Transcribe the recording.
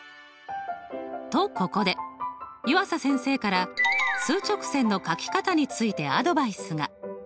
とここで湯浅先生から数直線の書き方についてアドバイスが。